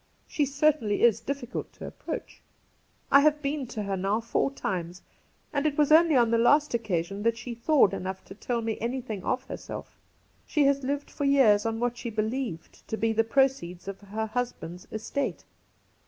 She certainly is difficult to approach. I have been to her now four times, and it was only on the last occasion that she thawed enough to tell me anything of herself She has lived for years on what she believed to be the proceeds of her husband's estate.